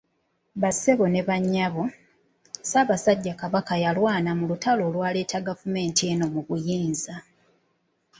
Bassebo ne bannyabo, Ssaabasajja Kabaka yalwana mu lutalo olwaleeta gavumenti eno mu buyinza.